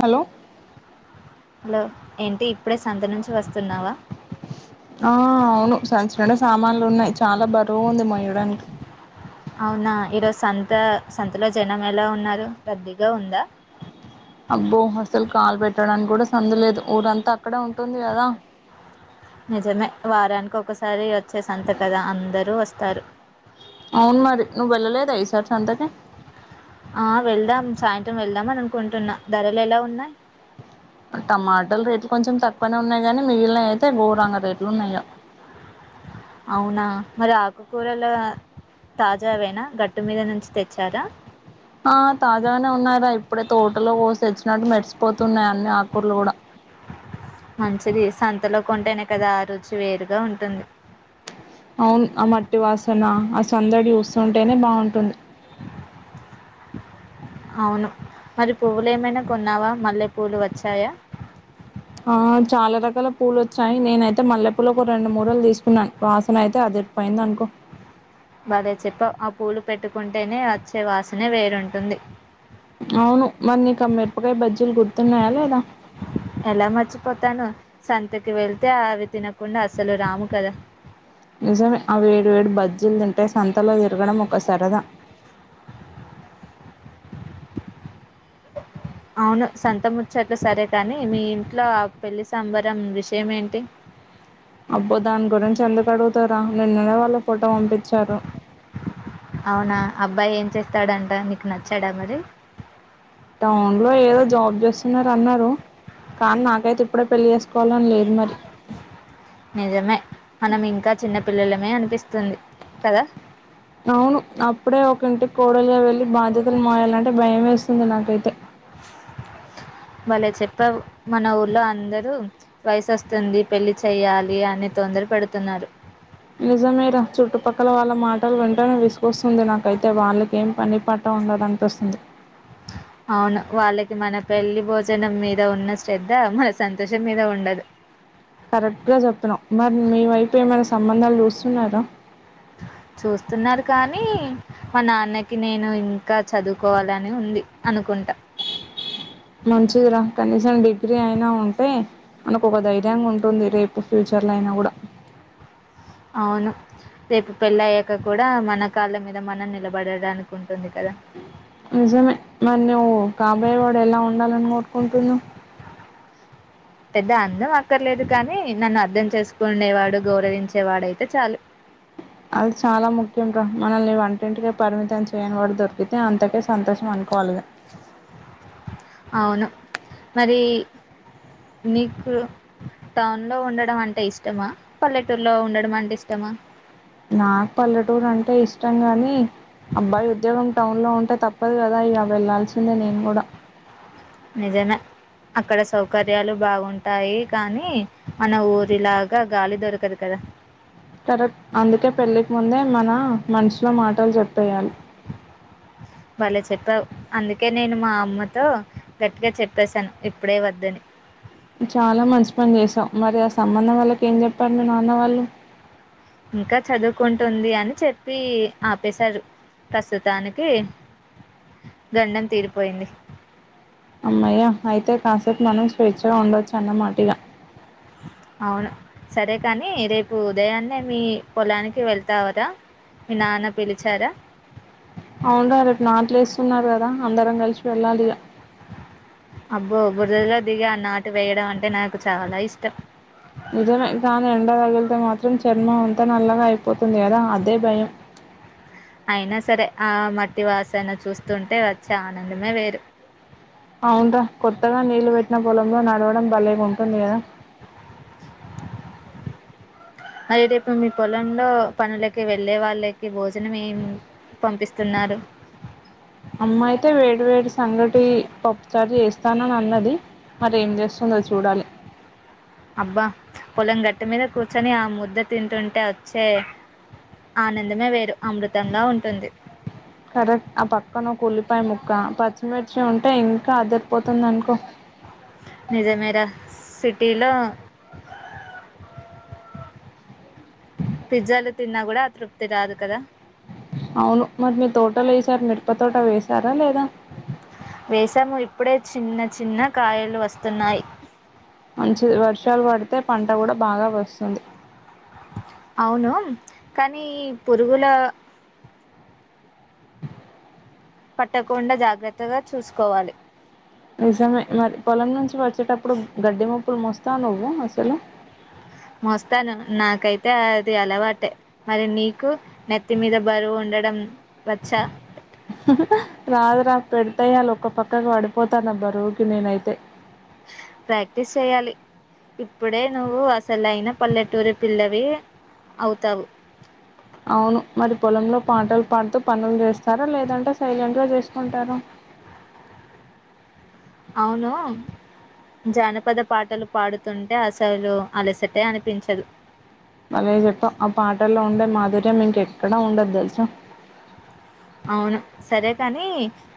Hello hello ఏంటి ఇప్పుడే సంత నుంచి వస్తున్నావా ఆ అవును రోజు మోయడానికి అవునా ఈరోజు సంత సంతలో జనం ఎలా ఉన్నారు. రద్దిగా ఉందా అబ్బో అసలు కాలు పెట్టడానికి కూడా సందు లేదు. ఊరంతా అక్కడే ఉంటుంది కదా నిజమే వారానికి ఒకసారి వచ్చే సంత కదా, అందరూ వస్తారు అవును మరి నువ్ వెళ్లలేదా ఈసారి సంతకీ ఆ వెళ్దాం సాయంత్రం వెళ్దాం అని అనుకుంటున్నా. ధరలు ఎలా ఉన్నాయి టమాటలు రేట్లు కొంచెం తక్కువనే ఉన్నాయి గానీ మిగిలినవి అయితే గోరంగ రేట్లు ఉన్నాయి ఇగ అవునా మరి ఆకుకూరలు తాజా అవేనా గట్టు మీద నుంచి తెచ్చారా ఆ తాజాగానే ఉన్నాయి రా ఇప్పుడే తోటలో కోసి తెచ్చినట్టు మెరిసిపోతున్నాయి. అన్ని ఆకూర్లు కూడా మంచిది సంతలో కొంటేనే కదా ఆ రుచి వేరుగా ఉంటుంది అవును ఆ మట్టి వాసన ఆ సందడి చూస్తుంటేనే బాగుంటుంది అవును మరి పువ్వులు ఏమైనా కొన్నావా మళ్ళీ పువ్వులు వచ్చాయా ఆ చాలా రకాల పూలు వచ్చాయి. నేనయితే మల్లెపూలకు రెండు మూరలు తీసుకున్నా. వాసన అయితే అదిరిపోయింది అనుకో భలే చెప్పావ్ ఆ పూలు పెట్టుకుంటేనే వచ్చే వాసనే వేరుంటుంది అవును మరి నీకా మిరపకాయ బజ్జీలు గుర్తున్నాయా లేదా ఎలా మర్చిపోతాను సంతకి వెళ్తే అవి తినకుండా అసలు రాము కదా నిజమే ఆ వేడి వేడి బజి జలు తింటే సంతలో తిరగడం ఒక సరదా అవును సంతంముచ్చట్లు సరే కానీ మీ ఇంట్లో ఆ పెళ్లి సంబరం విషయం ఏంటి అబ్బో దాని గురించి ఎందుకు అడుగుతారా నిన్ననే వాళ్ళ ఫోటో పంపించారు అవునా అబ్బాయి ఏం చేస్తాడంట నీకు నచ్చాడా మరి టౌన్ లో ఏదో జాబ్ చేస్తున్నారు అన్నారు కానీ నాకైతే ఇప్పుడే పెళ్లి చేసుకోవాలని లేదు మరి నిజమే మనం ఇంకా చిన్న పిల్లలమే అనిపిస్తుంది కదా అవును అప్పుడే ఒక ఇంటికి కోడలిగా వెళ్ళి బాధ్యతలు మయాలంటే భయం వేస్తుంది నాకైతే భలే చెప్పే మన ఊర్లో అందరూ వయసుొస్తుంది పెళ్లిి చెయ్యాలి అని తొందర పెడుతున్నారు నిజమేర చుట్టుపక్కల వాళ్ళ మాటలు వెంటనే విసుకొస్తుంది నాకైతే వాళ్ళకేం పని పట్ట ఉండదనిపిస్తుంది అవును వాళ్ళకి మన పెళ్లిి భోజనం మీద ఉన్న శ్రద్ధ మన సంతోషం మీద ఉండదు కరెక్ట్ గా చెప్పినం మరి మీ వైపు ఏమైనా సంబంధాలు చూస్తున్నారా చూస్తున్నారు కానీ మా నాన్నకి నేను ఇంకా చదువుకోవాలని ఉంది అనుకుంటా మంచిదిరా కనీసం డిగ్రీ అయినా ఉంటే మనకు ఒక ధైర్యంగా ఉంటుంది రేపు ఫ్యూచర్ లో అయినా కూడా అవును రేపు పెళ్ళి అయ్యాక కూడా మన కాళ్ళ మీద మనం నిలబడడానికి ఉంటుంది కదా నిజమే మరి నువ్వు కాబాయవాడు ఎలా ఉండాలని కోరుకుంటున్నా పెద్ద అందం అక్కర్లేదు కానీ నన్ను అర్థం చేసుకుండేవాడు గౌరవించేవాడుయితే చాలు అది చాలా ముఖ్యం మనల్ని వంటింటిక పరిమితం చేయని వాడు దొరికితే అంతకే సంతోషం అనుకోవాలిద అవును మరి నీకు టౌన్లో ఉండడం అంటే ఇష్టమా పల్లెటూరులో ఉండడం అంటే ఇష్టమా నాకు పల్లెటూరు అంటే ఇష్టం గాని అబ్బాయి ఉద్యోగం టౌన్ లో ఉంటే తప్పదు కదా ఇక వెళ్లాాల్సిందే నేను కూడా నిజమే అక్కడ సౌకర్యాలు బాగుంటాయి కానీ మన ఊరిలాగా గాలి దొరకదు కదా కరెక్ అందుకే పెళ్ళికి ముందే మన మనషలో మాటలు చెప్పేయాలి వాళ్లే చెప్పావు అందుకే నేను మా అమ్మతో గట్టిగా చెప్పేశాను ఇప్పుడే వద్దని చాలా మంచి పని చేసాం మరి ఆ సంబంధం వాళ్ళకి ఏం చెప్పారు మీ నాన్న వాళ్ళు ఇంకా చదువుకుంటుంది అని చెప్పి ఆపేశారు ప్రస్తుతానికి గండం తీరిపోయింది అమ్మయ్య అయితే కాసేపు మనం స్వేచ్ఛగా ఉండొచ్చు అన్నమాటిగా అవును సరే కానీ రేపు ఉదయాన్నే మీ పొలానికి వెళ్తావరాా మీ నాన్న పిలిచారా అవును రటి నాట్లే వేస్తున్నారు కదా అందరం కలిసి వెళ్ళాలి ఇలా అబ్బో బురదలుగా దిగి ఆ నాటు వేయడం అంటే నాకు చాలా ఇష్టం నిజమే కానీ ఎండ రగిలితే మాత్రం చర్మం అంత నల్లగా అయిపోతుంది కదా అదే భయం అయినా సరే ఆ మట్టి వాసన చూస్తుంటే వచ్చే ఆనందమే వేరు అవుందా కొత్తగా నీళ్లు పెట్టిన పొలంలో నడవడం బలేక ఉంటుంది కదా అదే రేపు మీ పొలంలో పనులకి వెళ్ళే వాళ్ళకి భోజనం ఏం పంపిస్తున్నారు అమ్మా అయితే వేడి వేడి సంగటి పప్పుచారి చేస్తానని అన్నది మరేం చేస్తుందో చూడాలి అబ్బా పొలం గట్ మీద కూర్చొని ఆ ముద్ద తింటుంటే వచ్చే ఆనందమే వేరు అమృతంలా ఉంటుంది కరెక్ ఆ పక్కన కులిపాయ ముక్కా మర్చి ఉంటాయి ఇ ఆదరిపోతుంది అనుకో టిలో పిజ్జాలు తిన్నా కూడా తృప్తి రాదు కదా, అవును మరి మీ తోటలు వేసారు మిరప తోట వేసారా లేదా వేసాము ఇప్పుడే చిన్న చిన్న కాయలు వస్తున్నాయ్ మంచి వర్షాలు పడితే పంట కూడా బాగా వస్సుంది అవును కానీ పురుగుల పట్టకుండా జాగ్రత్తగా చూసుకోవాలి నిజమే మరి పొలం నుంచి వచ్ చేటప్పుడు గడ్డి మోప్లు మొస్ తా నువ్వు అసలు మోస్తాను నాకైతే అది అలవాటే మరి నీకు నెత్తి మీద బరువు ఉండడం. వచ్చా రాధ స్లాప్ పెడిత ఆళొక్క ఒక పక్కకి పడిపోతార్ న బరువుకి నేనైతే ప్రాక్టీస్ చేయాలి ఇప్పుడే నువ్వు అసలైన పల్లెటూరి పిల్లవి అవుతావు. అవును మరి పొలంలో పాటలు పాడుతూ పనులు చేస్తారా లేదంటే సైలెంట్గా చేసుకుంటారా. అవును జానపద పాటలు పాడుతుంటే అసలు అలసటే అనిపించదు. మేం మీంకెక్కడా ఉండదు తెలుసా అవును సరే కాని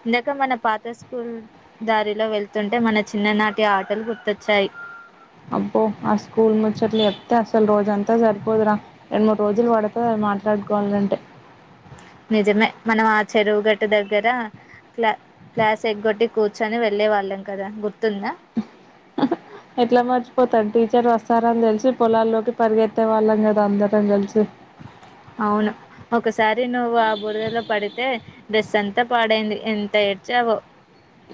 ఇందాక మన పాత స్కూల్ దారిలో వెళ్తుంటే మన చిన్ననాటి ఆటలు గుర్తొచ్చాయ్. అబ్బో ఆ స్కూల్ ముచ్చట్లు చెప్తే అసలు రోజు అంతా సరిపోదురా రెండు మూడు రోజులు పడతది మాట్లాడుకోవాలంటే. నిజమే మనం ఆ చెరువుగట్టు దగ్గర క్లా క్లాస్ ఎగ్గొట్టి కూర్చొని వెళ్ళే వాళ్ళం కదా గుర్తుందా. ఎట్లా మర్చిపోతాం టీచర్ వస్తారని తెలిసి పొలాల్లోకి పరిగెత్తే వాళ్ళం కదా అందరం కలిసి. అవును ఒకసారి నువ్వు ఆ బురదలో పడితే, బెస్ట్ అంతా పాడైంది ఎంత ఏడ్చావో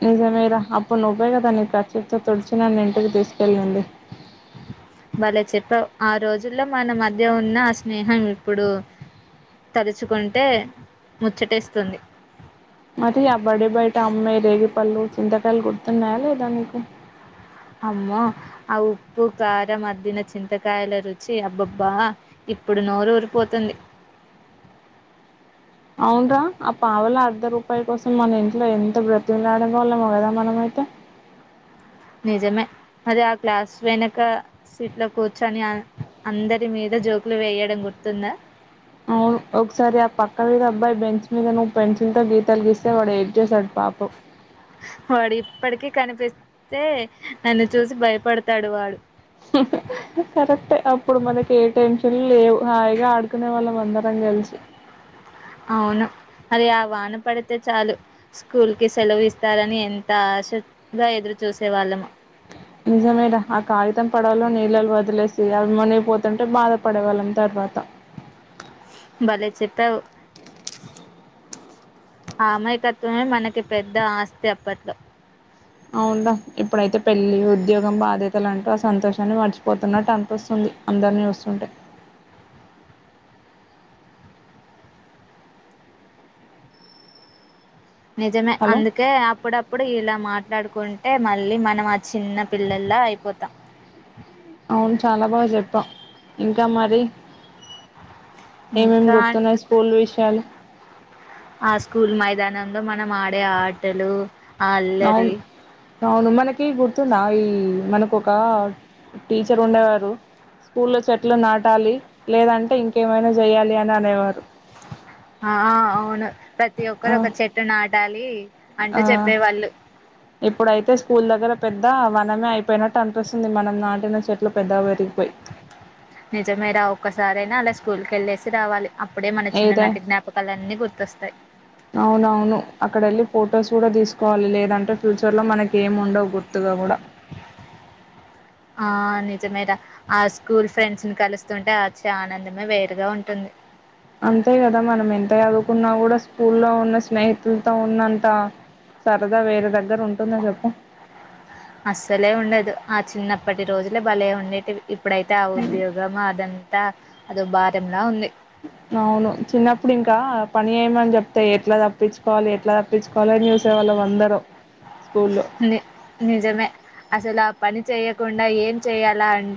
నిజమేరా అప్పుడు నువ్వే కదా నీ చ్చిట్తో తుడిచిన నన్ను ఇంటికి తీసుకెరిగింది వాలే చెప్పవు ఆ రోజుల్లో మన మధ్య ఉన్న ఆ స్నేహం ఇప్పుడు తలుచుకుంటే ముచ్చటిేస్తుంది మరి ఆ బడీ బయట అమ్మాయి రేగిపళ్ళు చింతకాయలు గుర్తున్నాయా లేదా నీకు అమ్మో ఆ ఉప్పు కారం మద్దన చింతకాయల రుచి అబ్బబ్బా ఇప్పుడు నోరు ఊరిపోతుంది అవున్రా ఆ పావుల అర్ధ రూపాయ కోసం మన ఇంట్లో ఎంత బ్రతిమిలాడగలమో కదా మనమ అైతే నిజమే అది ఆ క్లాస్ వెనక సీట్ లో కూర్చొని అందరి మీద జోకులు వేయడం గుర్తుందా అవును ఒకసారి ఆ పక్క మీద అబ్బాయి బెంచ్ మీద నువ్వు పెన్సిల్ తో గీ తలగిస్తే వాడు ఏం చేశాడు పాప వాడు ఇప్పటికీ కనిపిస్తే నన్ను చూసి భయపడతాడు వాడు కరెక్టే అప్పుడు మనకి ఏ టెన్షన్లు లేవు హాయిగా ఆడుకునే వాళ్ళం అందరం కలిసి అవును మరి ఆ వాన పడితే చాలు స్కూల్ కి సెలవు ఇస్తారని ఎంత ఆశగా ఎదురుచూసేవాళ్ళము నిజమేద ఆ కాగితం పడలో నీళ్ళలు వదిలేసి అవిమనే పోతుంటే బాధ పడే వాళ్ళం తర్వాత బలే చెప్ప ఆ అమాయకత్వమే మనకి పెద్ద ఆస్తి అప్పట్లో అవ్ న్ రా ఇప్పుడైతే పెళ్ళి ఉద్యోగం బాధ్యతలు అంటూ ఆ సంతోషాన్ని మర్చిపోతున్నట్టు అనిపిస్తుంది అందరినీ చూస్తుంటే నిజమే హలో అందుకే అప్పుడప్పుడు ఇలా మాట్లాడుకు అనుకుంటే మళ్ళీ మనం ఆ చిన్న పిల్లలా అయిపోతాం అవును చాలా బాగా చెప్పా ఇంకా మరి ఏమేం ఇంకా గుర్తున్నాయ్ స్కూల్ విషయాలు ఆ స్కూల్ మైదానంలో మనం ఆడే ఆటలు ఆ అల్లరి అవును అవును మనకి గుర్తుందా ఈ మనకు ఒకక టీచర్ ఉండేవారు స్కూల్లో చెట్లు నాటాలి లేదంటే ఇంకేమైనా చేయ్యాలి అని అనేవారు ఆ అవును ప్రతి ఆ ఒక్కరు ఒక చెట్టు నా టలీ ఆ ఇప్పుడయితే స్కూల్ దగ్గర పెద్ద వనమే అయిపోయినట్టు అనిపిస్తుంది మనం నాటిన చెట్లు పెద్దవయి నిజమే రా ఒక్కసారైనా అలా స్కూ స్కూల్కి వెళ్ళేసి రావాలి అప్పుడే మన ఏ దే చిన్ననాటి జ్ఞాపకాలన్నీ గుర్తొస్తాయి అవునవును అక్కడ వెళ్ళ ఫొటోస్ కూడా తీసుకు కోవాలి లేదంటే ఫ్యూచర్ లో మనకి ఏం ఉండవు గుర్తుగా కూడా నిజమే రా ఆ స్కూల్ ఫ్రెండ్స్ ని కలుస్తుంటే ఆ చ్చే ఆనందమే వేరుగా ఉంటుంది అంతే కదా మనం ఎంత చదువుకున్నా కూడా స్కూల్లో ఉన్న స్నేహితులతో ఉన్నంత సరదా వేరే దగ్గర ఉంటుందా చెప్పు అస్సలే ఉండదు ఆ చిన్నప్పటి రోజులే భలే ఉండేటివి ఇప్పుడైతే ఆ ఉద్యోగం అదంతా అదో భారంలా ఉంది అవును చిన్నప్పుడు ఇంకా పని ఏయమన్ చెప్తే ఎట్లా తప్పించుకోవాలి ఎట్లా తప్పించుకోవాలి చూసేవాళ్ళం అందరం ని నిజేమే అసలా పని చేయకుండా ఏం చేయ్యాలా అం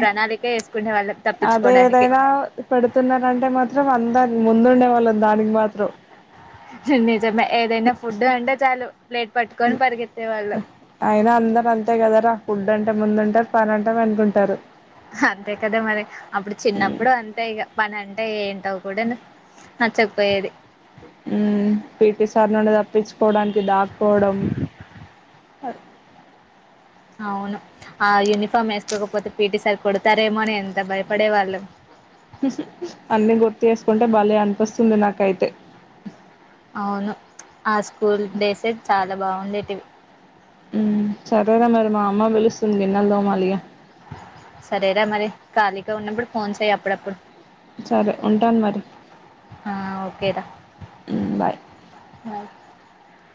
ప్రణాళిక వేసుకునే వాళ్ళం అదే తప్పించుకోవడానికి ఏదైనా పెడుతున్నారంటే మాత్రం అందా ముందుండే వాళ్ళం దానికి మాత్రం బ్రో చెన్నై ఏదైనా ఫుడ్ అంటే చాలు ప్లేట్ పట్టుకొని పరిగెత్తే వాళ్ళం అయినా పనింటాం అనుకుంటారు అంతే కదా మరి అప్పుడు చిన్నప్పుడు అంతే ఇక పని అంటే ఏంటో కూడా నచ్చకపోయేది పిటి సార్ నుండి తప్పిచ్చు పోవడానికి దాక్కోడం సర్ అవును ఆ యూనిఫాం ఫామ్ వేసుకోకపోతే పిటిసర్ కొడతారేమో అని ఎంత భయపడే వాళ్ళు అన్నీ గుర్తు చేసుకుంటే భలే అనిపిస్తుంది నాకైతే అవును ఆ స్కూల్ డేసే చాలా బాగుండేటివి సరేరా మరి మా అమ్మా విలుస్తుందిన్నల్దోమాలయ సరేరా మరి కాలిక ఉన్నప్పుడు ఫోన్ చేయ్య అప్పుడప్పుడు సరే ఉంటాను మరి ఆ బాయ్ అ